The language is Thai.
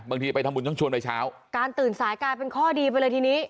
บางทีไปทำบุญต้องชวนไปเช้าการตื่นสายกลายเป็นข้อดีไปเลยทีนี้